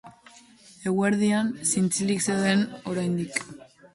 Eguerdian, zintzilik zeuden oraindik.